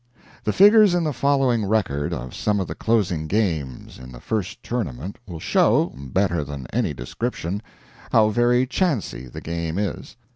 The figures in the following record of some of the closing games in the first tournament will show, better than any description, how very chancy the game is.